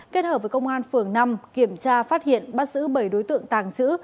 kết hợp với công an phường năm kiểm tra phát hiện bắt giữ bảy đối tượng tàng trữ